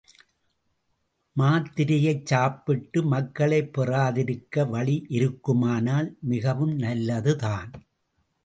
மாத்திரையைச் சாப்பிட்டு மக்களைப் பெறாதிருக்க வழியிருக்குமானால் மிகவும் நல்லதுதான்.